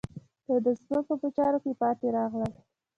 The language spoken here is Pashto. دوی د ځمکو په چارو کې پاتې راغلل.